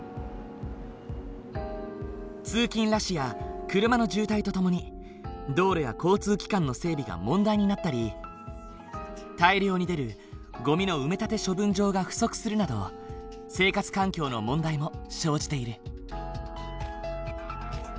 通勤ラッシュや車の渋滞とともに道路や交通機関の整備が問題になったり大量に出るゴミの埋め立て処分場が不足するなど生活環境の問題も生じている。